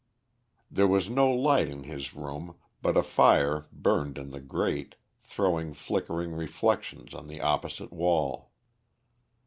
There was no light in his room, but a fire burned in the grate, throwing flickering reflections on the opposite wall.